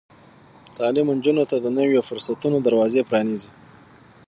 تعلیم نجونو ته د نويو فرصتونو دروازې پرانیزي.